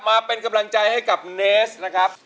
มาเป็นกำลังใจให้กับเนสนะครับ